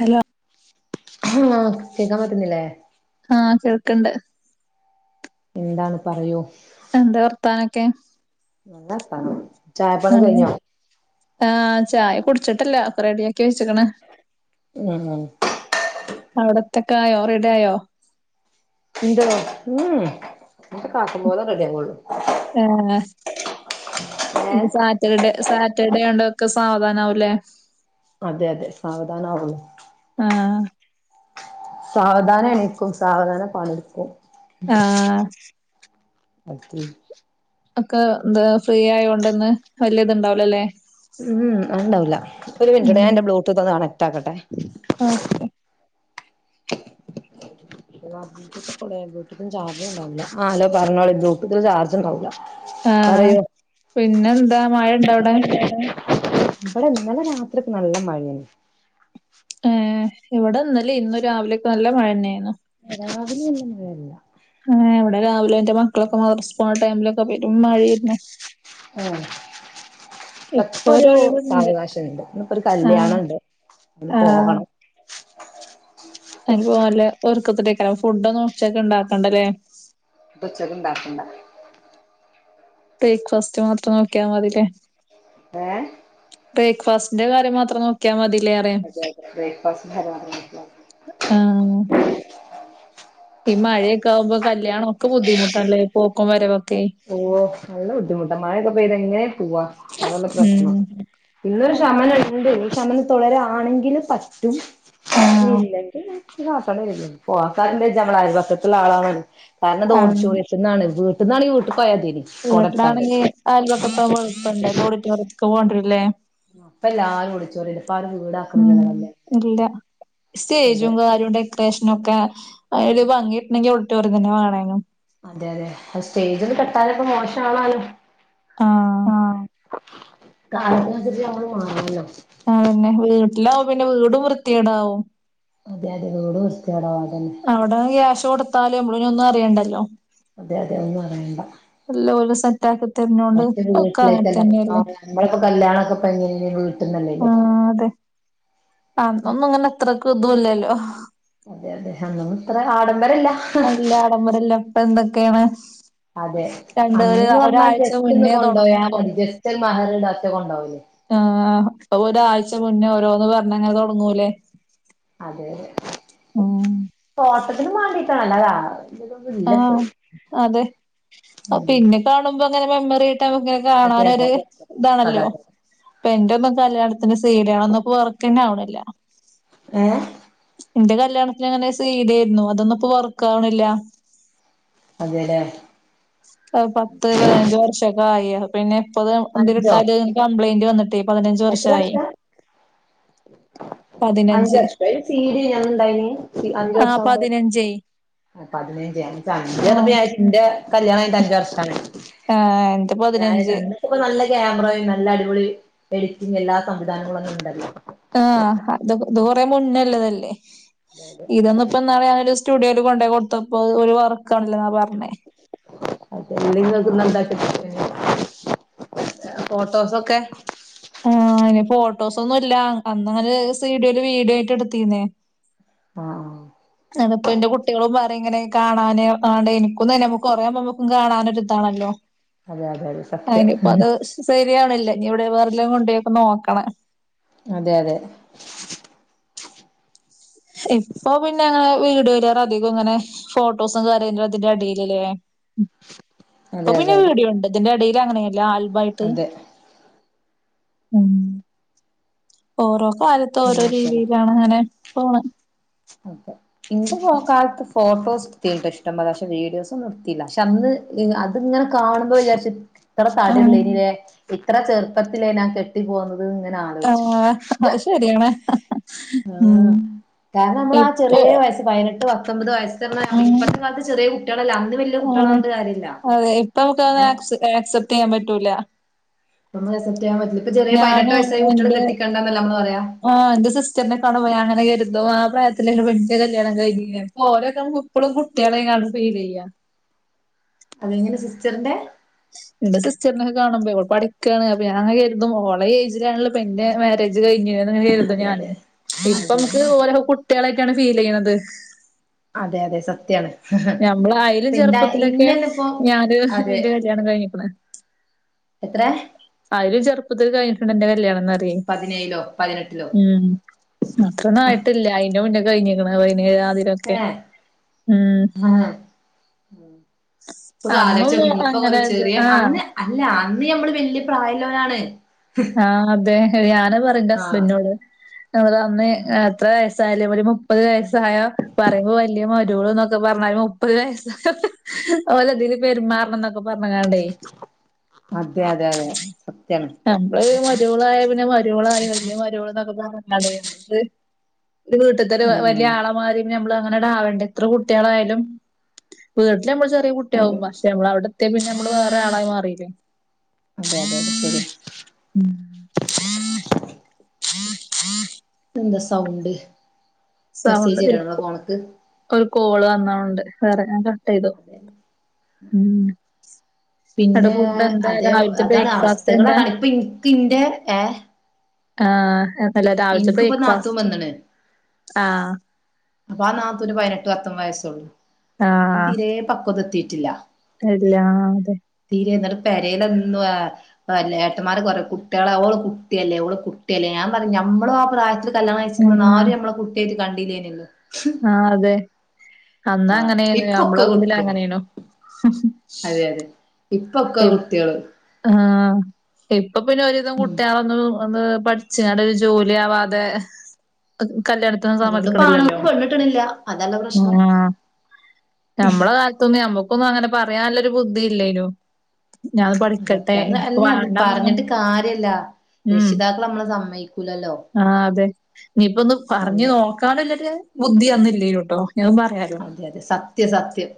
Hello ഹിമ്മ് കേക്കാൻ പറ്റുന്നില്ലേ. ആഹ് കേൾക്ക്ണ്ട്. എന്താണ് പറയു എന്താ വർത്താനൊക്കെ? നല്ലവർത്താനം പിന്നെ ആഹ് ചായ കുടിച്ചിട്ടില്ല. ഒക്കെ റെഡിയാക്കി വെച്ചിക്കണ്. അഹ് അവെടെത്തെക്കായോ റെഡിയായോ? ഇന്റേതോ ഉം ഇന്റേതൊക്കെ ആക്കാം പോലെ റെഡിയാവുള്ളൂ. ആഹ് ഇന്ന് ഏഹ് സാറ്റർഡേ സാറ്റർഡേണ്ടായെക്കെ ആയോണ്ട് സാവധാനം ആവുല്ലേ? അതെ അതെ സാവധാനം ആവുള്ളൂ. ആഹ് സാവധാനം എണീക്കും സാവധാനം പണിയെടുക്കും ആഹ് ഓക്കെ ഒക്കെ എന്താ ഫ്രീ ആയോണ്ട് ഇന്ന് വെല്യായിതൊണ്ടാവ്ല്ല ല്ലേ? ഉം അത്ണ്ടാവുല്ല ഒരു മിനിറ്റ്ട്ടൊ ഞാനിന്റെ ബ്ലൂടൂത്ത് ഒന്ന് കണക്റ്റ് ആക്കട്ടെ ഓക്കേ അല്ല പറഞ്ഞോളൂ ബ്ലൂടൂത്തിന് ചാർജൊണ്ടാവുല്ല. ട്പിന്നെ എന്താ മഴ ഒണ്ടോ അവെടെ? ഇവിടെ ഇന്നലെ രാത്രിക്ക് നല്ല മഴയാണ്. ഏഹ് ഇവെടെ ഇന്നലെയും ഇന്ന് രാവിലെയെക്കെ നല്ല മഴ തന്നെയെനു. ഏഹ് രാവിലെയൊന്നും പെയ്തില്ല. ആഹ് ഇവിടെ രാവിലെ എന്റെ മക്കളെക്കെ മദ്രസെ പോണ ടൈമില്. പെരും മഴേയാര്ന്ന്. ഉം ഇപ്പോരൊഴിവൊണ്ട് ഉണ്ട് ഇന്നിപ്പോ ഒരു ആഹ് കല്യാണം ഉണ്ട് അതിന് ആഹ് പോകണം താനിപ്പൊ നല്ലേ ഒരുക്കത്തിലേക്കാണ് ഫുഡൊന്നുംഉച്ചക്ക് ഉണ്ടാക്കണ്ടാല്ലേ? ഉച്ചയ്ക്ക് ഉണ്ടാക്കണ്ടാ. ബ്രേക്ക്ഫാസ്റ്റ് മാത്രം നോക്കിയാ മതില്ലേ. ഏഹ്? ബ്രേക്ക്ഫാസ്റ്റിന്റെ കാര്യം മാത്രം നോ ക്കിയാ മതിലേറെ. അതെ അതെ ബ്രേക്ക്ഫാസ്റ്റിന്റെ കാര്യം മാത്രം നോക്കിയാ. ആഹ് ഈ മഴയൊക്കെയാകുമ്പോ കല്യാണം ഒക്കെ ബുദ്ധിമുട്ടണല്ലേ പോക്കും വരവും. ഓഹ് നല്ല ബുദ്ധിമുട്ടാ മഴക്കെ പെയ്താ എങ്ങനേ പോവ്വാ അതല്ലേ ഉം പ്രശ്നം. ഇന്നൊരു അതെ ശമനം ഒണ്ട് ഈ ശമനം തുടരാണെങ്കിൽ പറ്റും. ആഹ് ഇല്ലെങ്കില് വെക്കും പിന്നെ അപ്പറെ വീടല്ലേ [unintelligible] അയൽപക്കത്തുള്ള ആളാണേ. കാരണം അത് ആഹ് ഓഡിച്ചോറിയത്തിന്നാണ്. വീട്ടിന്നാണെങ്കി വീട്ട് പോയാ മതിയിനി. വീട്ടിലാണെങ്കിൽ അയൽവൊക്കത്ത് പോയിട്ടൊണ്ട്. ഇത് ഓഡിറ്റോറിയത്തിലേക്ക് പോണ്ടിവെരുല്ലേ. ഇപ്പ എല്ലാരും ഓഡിറ്റോറിയത്തില്. ഇപ്പ ആരും ഉം വീടാക്കുന്നില്ലല്ലേ കല്യാണം. ഇല്ല അതെ സ്റ്റേജും കാര്യവും ഡെക്കറേഷനും ഒക്കെ ഒരു ഭംഗി കിട്ടണെങ്കിൽ ഒഡിറ്റോറിയം തന്നെ വേണാനു. അതെ അതെ അത് സ്റ്റേജ് ഒന്ന് കെട്ടാനെക്കെ മോശമാളാണ്. ആഹ് കാലത്തിനുസരിച്ച് നമ്മെള് മാറണല്ലോ. അതന്നെ വീട്ടിലാവും പിന്നെ വീടും വൃത്തികേടാവും അതെ അതെ വീട് വൃത്തികേടാവും അതെന്നെ അവിടെ ക്യാഷ് കൊടുത്താല് നമ്മളൊന്നും അറിയണ്ടല്ലോ അതെ അതെ ഒന്ന് അറിയേണ്ട എല്ലാം ഓല് സ മേ വീട്ടിലക്കല്ല നമ്മള് ഇപ്പോ കല്യാണൊക്കെ കഴിഞ്ഞ് ആ വീട്ടന്നല്ലേനോ- അതെ അന്നൊന്നും ഇങ്ങനെ എത്രക്ക ഇതും ഇല്ലല്ലോ? അതെ അതെ അന്നൊന്നും ഇത്ര ആഡംബരല്ല. അല്ല ആടബരല്ല ഇപ്പ എന്തൊക്കെയാണ്- അതെ രണ്ട് ഒരു അന്ന്ന്ന് പറഞ്ഞാൽ ഒരാഴ്ച ജസ്റ്റ് ഒന്ന് മുന്നേ തൊടങ്ങും കൊണ്ടയാ ഇപ്പൊ മതി ജസ്റ്റ ഒരു മഹറട റ്റെ കൊണ്ടോകല്- ആഹ് അപ്പൊ ഒരാഴ്ച മുന്നേ ഓരോന്ന് പറഞ്ഞങ്ങനെ തുടങ്ങൂലേ? അതെ അതെ ഫോട്ടത്തിന് മാണ്ടീട്ടാണല്ലതാ ആഹ് ആഹ് അതെ ഉം പിന്നെ കാണുമ്പോ അങ്ങനെ മെമ്മറി ആട്ടമ്മക്ക്‌ അതെ അതെ കാണാനൊരു അതെ അതെ അതെ ഇതാണല്ലോ- അതെ ഇപ്പ എന്റെ ഒന്നും കല്യാണത്തിന് സീഡിയണോന്ന വർക്കന്നെ ആവണില്ല. ഏഹ്- എന്റെ കല്യാണത്തിന് അങ്ങനെ സീഡി യായിരുന്നു അതൊന്നും ഇപ്പൊ വർക്കാവണില്ല. അതേലെ? എഹ് പത്ത് പതിനഞ്ച് വർഷൊക്കെ ആയി പിന്നെ എപ്പത് എന്ത് അഞ്ചോ കിട്ടാതെ കംപ്ലൈന്റ് വന്നിട്ട് പതിനഞ്ച് വർഷായി ഉ പതിനഞ്ച് സി ഡി യ്നി അന്ന്ണ്ടായിന് ഈ അഞ്ച ആഹ് വർഷം പതിനഞ്ചേ ആകുമ്പൾ പതിനഞ്ച് അഞ്ചർഞപ്പ ആഹ് ഞര്ച്ച് ന്റെ കല്യാണം കഴിഞ്ഞിട്ട് അഞ്ചു വർഷാണ് ആഹ് എന്റെ പതിനഞ്ച് ഇപ്പൊ നല്ല ക്യാമറയും നല്ല അടിപൊളി എഡിറ്റിംഗ് എല്ലാ സംവിധാനങ്ങളും അന്ന് ണ്ടല്ലോ ആഹ് അത് ഇത് കൊറെ മുന്നല്ലതല്ലേ അതെ ഇതോന്ന് ഇപ്പൊന്നാളെ ഞാനൊരു സ്റ്റുഡിയോൽ കൊണ്ടയി കൊടുത്തപ്പോ ഓല് വർക്ക ആവ്ണല്ലന്ന പറഞ് അതല്ലങ്ങക്കന്താ ഇണ്ടാക്ക [unintelligible] ഫോട്ടോസൊക്കെ ആഹ് അയിന് ഫോട്ടോസ് ഒന്നും ഇല്ല അന്ന്ങ്ങനെ സീഡിയിൽ വീഡിയോ ആയിട്ട് എടുത്തീന്നേ ആഹ് ആഹ് ന്നട്ട് പ്പ ന്റെ കുട്ടികളും പറിം ഇങ്ങനെ കാണാന് കാണ്നേ ഇൻക്കും തന്നെ നമ്മുക്ക് കൊറെബം മമക്കും കാണാനൊരിതാണല്ലോ അതെ അതെ അതെ സത്യം അയിനിപ്പോ അത് ശരിയാവ്ണില്ല ഇഞ് ഇവിടെ വേറെടെല് കൊണ്ടോയി നോക്കണം. അതെ അതെ ഇപ്പൊ പിന്നെ അങ്ങനെ വീട് വരാറ അധികം ഇങ്ങനെ ഫോട്ടോസും കാര്യ അതിന്റെ അടേല് ല്ലേ ഇപ്പൊ അതെ പിന്നെ അതെ അതെ വീടിയോണ്ട് ഇതിന്റെ ഇടേല് അങ്ങനെ എല്ല ആൽബായിട്ട് അതെ ഉം ഓരോ കാലത്ത് ഓരോ അങ്ങനെയൊക്കെയാണ് രീതിയിലാണ് അങ്ങനെ പോണ് അതെ ഇന്ത് പോ കാലത്ത് ഫോട്ടോസ് തീണ്ട ഇഷ്ടം അതാ ക്ഷെ വീഡിയോസന്നും ട്ത്തില്ല പക്ഷെ അന്ന് അത്ങ്ങനെ കാണുമ്പോ വിചാരിച്ചു.. ഇത്ര ഉം. താടിള്ളനിലേ ഇത്ര ചെറുപ്പത്തിലേ ഞാൻ കെട്ടി പോന്നത് ഇങ്ങനാ ആ [unintelligible] അഹ് ശരിയാണ് ഉം. ആഹ് കാരണം നമ്മൾ ആ ഇപ്പൊ ചെറിയേ വയസ്സ് പതിനെട്ട് പത്തൊമ്പത് വയസ് സർഞാ ഉം ഇപ്പത്തെ കാലത്ത് ചെറിയേ കുട്ട്യേളല്ല അന്ന്.. വലിയ കുട്ടികളെ ആണ് പറഞ്ഞിട്ട് കാര്യല്ല അതെ ഇപ്പൊ നമക്ക് ഏഹ് ആക്സ് ആക്സെപ്റ്റയ്യാൻ പറ്റൂല ഇപ്പോമ്മള് അക്‌സെപ്റ്റയ്യാൻ പറ്റില്ല ഇപ്പ ചെറിയ പതിനട്ട് ഞാനും വയസ്സായി എന്റെ കുട്ടികളെ കെട്ടിക്കണ്ടന്നല്ലെ നമ്മള് പറയാ ആഹ് ന്റെ സിസ്റ്ററിനെ കാണുപോ ഞാൻ ഇങ്ങനെ കരുതും ആ പ്രായത്തിലല്ലെപ്പം ന്റെ കല്യാണം കഴിഞ്ഞിഞേ പ്പ ഓരൊക്കെ മ്മക്ക് കു ഇപ്പളും കുട്ട്യേളായിഗാണ്ട് ഫീലെയ്യാ അതെങ്ങനെ സിസ്റ്ററിന്റെ എന്റെ സിസ്റ്ററിനെക്കെ കാണുമ്പോ ഓള് പഠിക്കാണ് അപ്പൊ ഞാൻ ഇങ്ങനെ കെരുതും ഓളെ ഈ എയ്ജിണല്ലോ പ്പൊ എന്റെ മാ രേജ് കഴിഞ്ഞഹ് ഇങ്ങനെ കരുതും അതെ ഞാന് അതെ ഇപ്പ അതെ നമുക്ക് ഓലൊക്കെ കുട്ട്യേളായിട്ടാണ് ഫീലെയ്യ്ണത് ചെയ അതെ അതെ സത്യാണ് ഞമ്മള് അയിലും പിന്ത ചെറുപ്പത്തിലൊക്കെ ഇന്നന്നെ ഇപ്പോ ഞാന് അതെ എന്റെ കല്യാണം കഴിഞ്ഞിക്ക്ണ് എത്രെ അയിലും ചെറുപ്പത്തിൽ കഴിഞ്ഞിക്ക്ണ് എന്റെ കല്യാണംന്ന് അറ്യേ പതിനേഴിലോ പതിനെട്ടിലോ ഉം അത്രയൊന്നും ആയിട്ടില്ല അയിന്റെ മുന്നേ കഴിഞ്ഞിക്ക്ണ് പതിനേയാതി എഹ് ആഹ് ഇപ്പൊ ക്കെ ആലോയ്ച്ചോക്കി അന്നൊന്നും ഇങ്ങൾ ഇപ്പോ ഓല് അങ്ങനെ ഇത് ചെറിയ ആഹ് അന്ന് അല്ല അന്ന് ഞമ്മള് വല്യ പ്രായള്ളോരാണ് ആണതെ ഞാനഹ് പറയും ന്റെ ആഹ് ഹസ്ബൻഡിനോട് നമ്മള് അന്ന് എഹ് എത്ര വയസ്സായാലും ഒരു മുപ്പത് വയസ്സായ പറയുമ്പോ വല്ല്യ മരാേള് ന്നൊക്കെ പറഞ്ഞാൽ മുപ്പത് വയസ്സായ ഓലതീല് പെരുമാറണം ന്നൊക്കെ ക്കെ പർഞ്ഞ്ങ്ങാണ്ടെയ് അതെ അതെ അതെ സത്യാണ് നമ്മള് മര്യോളായാ പിന്നെ മര്യോള് ആയി വല്ല്യ മര്യോള് ന്നൊക്കെ പറഞ്ഞ്ങ്ങാണ്ടെ ഒര് വീട്ടിത്തെ ഒരു ഉം വല്ല്യ ഉം ആളെ മായ്രി നമ്മള് അങ്ങനെട് ആവണ്ടെ എത്ര കുട്ട്യാളായാലും വീട്ടില് നമ്മള് ചെറിയ കുട്ട്യാകും അതെ പശെ ശെ നമ്മള് അവ്ടെ എത്തിയാ പിന്നെ നമ്മള് വേറെ ആളായി മാറിയിലേ അതെ അതെ അത് ശരിയാ ഉം എന്താ സൗണ്ട് സൗണ്ട് മെസ്സേജ് വരാണോ തിരിക്കും ഫോണ്ക്ക് ഒരു കോള് വന്നാ ഓണ് ണ്ട് വേറെ ഞാൻ കട്ടെയ്തു ഉം ന്നിട്ട് പിന്നെ ഫുഡ് എന്താ അതെയോ രാവിലത്തെ അതാണ് ബ്രേക്ക്ഫാസ്റ്റ് അവസ്ഥകള് എന്താ? അതാണ് ഇപ്പ ഇൻക്ക് ഇന്റെ ഏഹ് ആഹ് ഏക്കല്ലേ രാവിൽത്തെ ഇനിക്കിപ്പോ ബ്രേക്ക് നാത്തൂൻ ഫാസ്റ്റ് വന്ന്ണ് ആഹ് അപ്പൊ ആ നാത്തൂന് പയ്നെട്ട് പത്തൊമ്പത് വയസാെള്ളു അയ്ന് തീരെ പക്വത എത്തീറ്റില്ല എല്ലാതെ തീരെ ഇന്നിട്ട് പെരേലൊന്നും ആ ഏട്ടന്മാരൊക്കെ പറയും കുട്ട്യാളാ ഓള് കുട്ട്യല്ലേ ഓള് കുട്ട്യല്ലേ ഞാൻ പറിം നമ്മളും ആ പ്രായത്തില് കല്യാണം കഴിച്ച്ക്ക്ണ് ആഹ് ഇന്നാലും നമ്മളെ കുട്ട്യായിട്ട് കണ്ടില്ലേനി ആഹ് അതെ അന്ന് ആഹ് അങ്ങനെയ്നു ഇപ്പൊക്കെ നമ്മള് ഇതില് കുട്ടികള് അങ്ങനെയ്നു അതെ അതെ ഇപ്പൊക്കെ കുട്ട്യാള് ആഹ് ഇപ്പ പിന്നെ ഒരു വിധം കുട്ട്യാളൊന്നും ഒന്ന് പഠിച്ച്ങ്ങാണ്ട് ഒരു ജോലി ആവാതെ കല്യാണത് ത്തിന് അതുകൊണ്ട് ഇപ്പ സമ്മതിക്ക്ണില്ലല്ലോ ആണുങ്ങൾക്ക് പെണ്ണിട്ടണില്ല അതല്ല പ്രശ്നം ആഹ് നമ്മളെ കാല് ത്തൊന്നും നമ്മുക്കൊന്നും അങ്ങനെ പറയാല്ലൊരു ബുദ്ധിം ഇല്ലേയ്‌നു ഞാൻ പഠിക്കട്ടെ സത്യം അന്ന് ഇൻക്ക്പ്പ അല്ല വാണ്ടാന്നൊന്നും പറഞ്ഞിട്ട് കാര്യല്ല ഉം രക്ഷിതാക്കൾ നമ്മളെ സമ്മതിക്കൂലല്ലോ ആഹ് അതെ ഇനിപ്പൊ ഒന്ന് പർഞ്ഞ് അതെ നോക്ക് ക്കാനുല്ലൊര് ബുദ്ധി അന്ന് ഇല്ലേനു ട്ടോ ഞഅ പറയാനും അതെ അതെ സത്യം സത്യം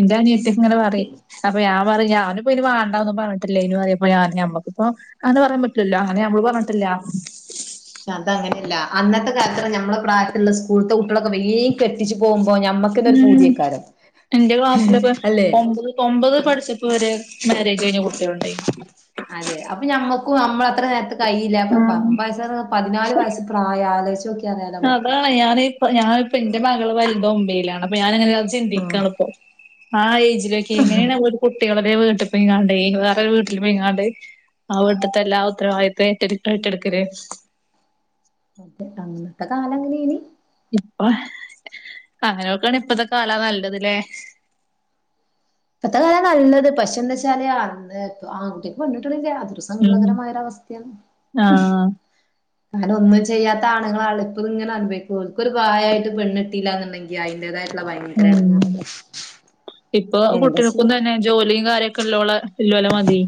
ഇന്റെ അനിയത്തിക്ക ഇങ്ങനെ പറിം അപ്പൊ ഞാൻ പറിം ഞാനും ഇപ്പൊഅയിന് വാണ്ടാ ഒന്നും പറഞ്ഞിട്ടില്ലേയ്നു അതെ പോലെ ആദ്യം നമ്മക്കും ഇപ്പൊ അങ്ങനെ പറയാൻ പറ്റ്ലല്ലോ അന്ന് നമ്മള് പറഞ്ഞിട്ടില്ല ശെ അത് അങ്ങനെയല്ല അന്നത്തെ കാലത്ത്റ നമ്മളെ പ്രായത്തില്ള്ള സ്കൂള്ത്തെ കുട്ട്യാളൊക്കെ വേഗം കെട്ടിച്ചു പോകുമ്പോ നമ്മക് ക്കന്നെ ഒരു ഉം പൂതേക്കാരം എന്റെ ക്ലാസ്സിലൊക്കെ അല്ലെ ഒമ്പത് ഒമ്പത് പഠിച്ചപ്പൊ വരെ മര്യേജ് കഴിഞ്ഞ കുട്ട്യാള്ണ്ടായിരുന്നു അതെ അപ്പൊ നമ്മക്കും നമ്മള് അത്ര നേര്ത്തെ കയ്യില്ല അപ്പൊ പമ്പയസ്സ് പർഞ്ഞ പതിനാല് വയസ് പ്രായം ആലോയ്ച്ചാേക്കി അതാണെയ് ഞാനിപ്പ ഞാനിപ്പ എന്റെ മകള് വൽത് ഒമ്പീലാണ് അപ്പോ ഞാൻ ഇങ്ങനെ അത് ആഹ് ചിന്തിക്കാണ്പ്പോ ആ ഒര് ഏജിലൊക്കെ എങ്ങനെയാണ് ഓൽക്ക് കുട്ടികൾടെക്കെ വീട്ടി പോയിങ്ങണ്ടേയ് വേറൊരു വീട്ടില് പോയിങ്ങാണ്ട് ആ വീട്ടിത്തെ എല്ലാ ഉത്തരവാദിത്തോം ഏറ്റെട് ഏറ്റെട്ക്കല് അതെ അന്നത്തെ കാലഅങ്ങനെയ്നി അങ്ങനെ നോക്കാണെ ഇപ്പത്തെ കാലാ നല്ലത് ലേ ഇപ്പത്തെ കാലാ നല്ലത് പക്ഷെ എന്താെച്ചാല് ആങ്കുട്ട്യാക്ക് പെണ്ണ് കിട്ടിണ്ല്ല ഒരു ഉം സങ്കടകരമായര അവസ്ഥേണ് ആഹ് അങ്ങനെ ഒന്നും ചെയ്യാത്ത ആണ്ങ്ങള ആള് ഇപ്പഇങ്ങനെ അനുഭവിക്കും ഓൽക്കൊരു പ്രായായിട്ട് പെണ്ണ് ഇട്ടീലന്ന്ണ്ടെങ്കി അയ്ന്റേതായി ള്ള ഭയങ്കര ഉം എടങ്ങേറല്ലേ ഇപ്പൊ എന്താ കുട്ടികൾക്കും ചെയ്യാ തന്നെ ജോലീം കാര്യൊക്കെ ഇല്ലോളെ ഇല്ലോലെ മതി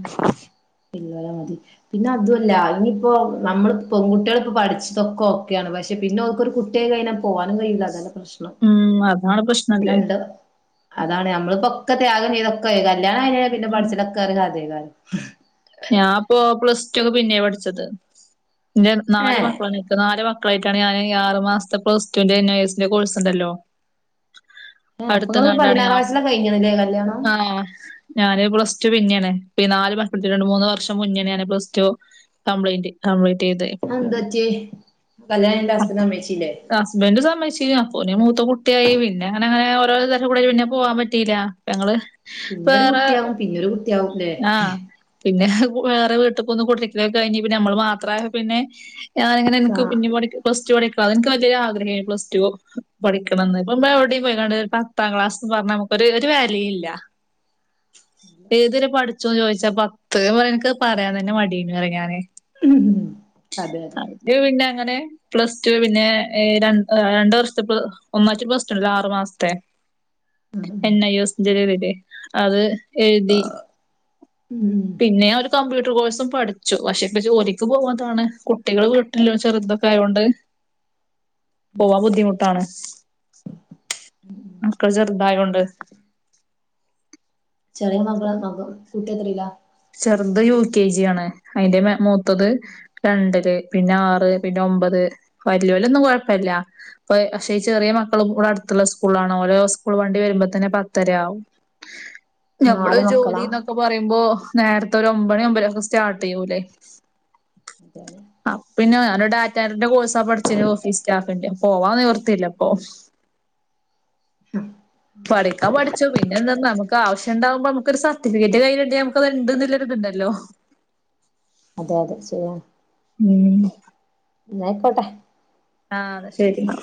ഇല്ലോലെ മതി പിന്നെ അതു വല്ല ഇനിയിപ്പോ നമ്മള് പെൺകുട്ടികളിപ്പോ പഠിച്ചതൊക്കെ ഒക്കെയാണ് പക്ഷെ പിന്നെ ക്കൊരു കു ട്ടിയായി കഴിഞ്ഞാല് പോവാനും കഴിയില്ല അതാണ് പ്രശ്നം ഉം അതാണ് പ്രശ്നല്ലേ രണ്ട് അതാണ് നമ്മളിപ്പോൊക്കെ ത്യാഗം ചെയ്ത കല്യാണം കഴിഞ്ഞാല് പിന്നെപഠിച്ചലൊക്കെ ഒരു കഥയിക്കാര്യം ഞാൻ ഇപ്പോൊ പ്ലസ് ടു പിന്നെ പഠിച്ചത് എന്റെ നാല് ഏഹ് മക്കളാണ് നല് മക്കളായിട്ടാണ് ഞാാന് ആറ് മാസത്തെ പ്ലസ് ടുവിന്റെ എൻ എസിന്റെ കോഴ്സ് ഉണ്ടല്ലോ ഏഹ് അപ്പൊ അടുത്ത നിങ്ങള് കണ്ടാണ്ഞ പതിനാറാം വയസ്സിലാ കഴിഞ്ഞതല്ലേ കല്യാണം ആഹ ഞാന് പ്ലസ്്ടു പിന്നാണ് ഇപ്പോ ഈ നാല് രണ്ട മൂന്ന് വർഷം മുന്നേ ഞാാന് പ്ലസ് ടു കംപ്ലയിന്റ് കംപ്യിന്റ് ചെയ്തത് അത് ന്തു പറ്റി കല്യാണം കഴിഞ്ഞിട്ട് ഹസ്ബൻ്റ് സമ്മതിച്ചിലെ ഹസ്ബന്ഡ് സംമ്മക്ഷിക്കും അപ്പൊ മൂത്ത കുട്ടിയായി പിെ അങ്ങെ അങ്ങനെ ഓരോരു തരം കൂടെ പിന്നെ പോവാൻ പറ്റില്ല ങ്ങള് പിന്നൊരു കുട്ടിയാവും പിന്നൊരു കുട്ടിയാവുംല്ലേ ആഹ് പിന്നെ വേറെ വീട്ടിൽക്കൊന്നന്ന് കൊട്ടരിക്കക്ക കഴിഞ്ഞ നമ്മള് മാത്ര പിന്നെ സാ ഞാനിങ്ങനെനക്ക് പിന്നോടി പ്ല ടുടക്ക അ എനിക്ക് വലിയ ആഗ്രഹ പ്ല്ടടുോ പഠിക്കണന്ന് ഇപ്പ എവിടെയും പോയിക്കണ്ട് പത്താം ക്ലാസ്ന്ന് പറഞ്ഞ നമുക്കൊ ഒരു വല്യ ഇല്ല ഏത്വരെ പഠിച്ചോന്ന് ചോദിച്ചാ പത്ത് എനിക്ക് പറയാൻ തന്നെ മടീ യ്ക്ക്ണുറയുഞാന് ഉ അതെ അതെ മറ്റെത് പിന്നെ അങ്ങനെ പ്ലസ് ടു പിന്നെ ര രണ്ടു വർഷത്തെ ഒന്നാച്ച പ്ലസ് ടുത്താ ആറു മാസത്തെ ഉം ഉം എന്ന യോസ ചെയതില്ലേ അത് എഴുതി ഉം പിന്നെ ഒരു കമ്പ്യൂട്ടർ കോഴ്സും പഠിച്ചു പക്ഷേ ഇപ്പ ജോലിക്ക് പോകാത്തതാണ് കുട്ടികൾ വീട്ടിൽ ചെറുതൊക്കെ ആയൊണ്ട് അതെ പോവാൻ അതെ ബുദ്ധിമുട്ടാണ് മക്കൾ ചെറുതയോണ്ട് ചെറിയ മകള മ കുട്ടിയ എത്ര ല്യ ചെറുത് യു കെ ജി ആണ് അതിൻ്റെ മൂത്തത് രണ്ടില് പിന്നെ ആറ് പിന്നെ ഒമ്പത് വലിയോ രൊന്നും കുഴപ്പില്ല പ പക്ഷേ ചെറിയ മക്കളും ഇൂടെ അടുത്തുള്ള സ്കൂളാണോ ഓരോ സ്കൂൾ വണ്ടി വരുമ്പോ തന്നെ പത്തരയാവും നമ്മള് നാല് മക്കളാ ജോലിന്നൊക്കെ പറയുമ്പോ നേരത്തെ ഒരു ഒമ്പണി ഒമ്പര ഒക്കെ ആവുമ്പോ സ്റ്റാർട്ട് യ്യൂലേ ഇതാണ് [inaudible] അഹ പിന്നെ ഞാനൻ ഡാറ്റാന്റെ കോഴ്സാ പഠിച്ചിു ഓഫീസ് സ്റ്റാഫിന്റെ പോവാ നിവർ ത്തില്ലപ്പോ പഠിക്കാൻ പഠിച്ചു പിന്നെ എന്ത നമുക്ക് ആവശ്യംുണ്ടാവുമ്പോ നമുക്കൊരു സ സർട്ടിഫിക്കറ്റ് കയ്യിൽ കിട്ടിയാൽ നമുക്ക്ക്കത്ണ്ടന്നല്ല ര് ഇത്ഇണ്ടല്ലോ അതെ അതെ ശരിയാണ് ഉം ന്നായിക്കോട്ടെ ആഹ ശരി എന്ന